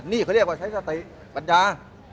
นี่เขาเรียกว่าใช้สติปัญญา